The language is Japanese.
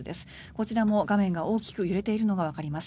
こちらも画面が大きく揺れているのがわかります。